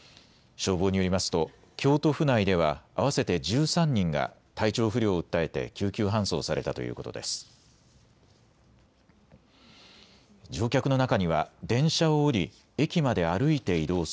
消防によりますと京都府内では合わせて１３人が体調不良を訴えて救急搬送されたということです。